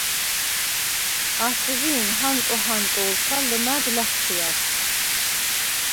აშხვჟი̄ნ ჰანტო ჰანტო̄ლშა ლჷმა̈რდ ლა̈თხვიარს.